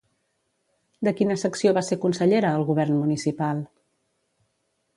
De quina secció va ser consellera, al govern municipal?